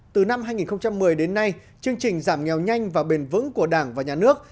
từ năm hai nghìn một mươi đến nay chương trình giảm nghèo nhanh và bền vững của đảng và nhà nước